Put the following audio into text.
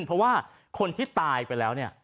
เพราะว่าคนที่ตายไปแล้วเนี่ย